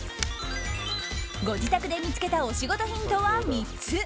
ご自宅で見つけたお仕事ヒントは３つ。